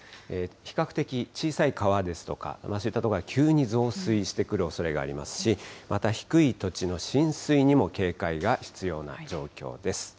比較的小さい川ですとか、そういった所は急に増水してくるおそれがありますし、また低い土地の浸水にも警戒が必要な状況です。